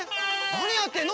なにやってんの？